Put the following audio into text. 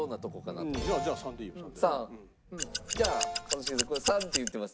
３。じゃあ一茂さん３って言ってます。